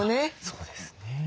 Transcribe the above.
そうですね。